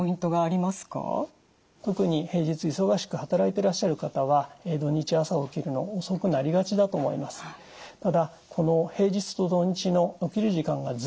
特に平日忙しく働いてらっしゃる方は土日朝起きるの遅くなりがちだと思います。